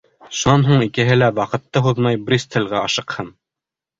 Шунан һуң икеһе лә, ваҡытты һуҙмай, Бристолгә ашыҡһын.